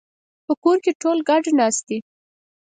په کور کې ټول ګډ ناست دي